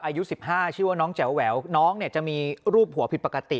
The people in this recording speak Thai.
อายุ๑๕ชื่อว่าน้องแจ๋วแหววน้องเนี่ยจะมีรูปหัวผิดปกติ